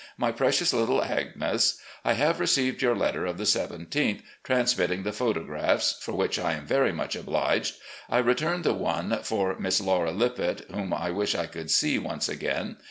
"My Precious Little Agnes: I have received your letter of the 1 7th, transmitting the photographs, for which I am very much obliged. I returned the one for Miss Laura Lippett, whom I wish I could see once again.